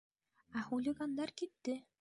Ә хулигандар китте!